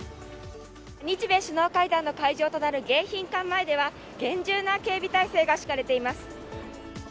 日米首脳会談の会場となる迎賓館前では厳重な警備体制が敷かれています。